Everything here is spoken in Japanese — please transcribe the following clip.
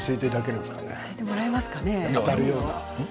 教えてもらえますかね。